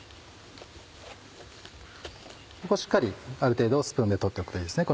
ここしっかりある程度スプーンで取っておくといいですね。